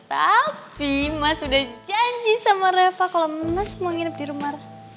tapi mas udah janji sama reva kalau mas mau nginep di rumah